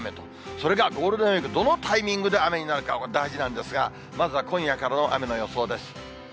それがゴールデンウィークどのタイミングで雨になるか、大事なんですが、まずは今夜からの雨の予想です。